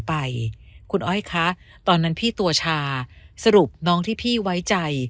ไปคุณอ้อยคะตอนนั้นพี่ตัวชาสรุปน้องที่พี่ไว้ใจ